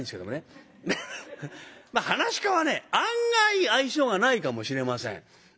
まあ噺家はね案外愛想がないかもしれません。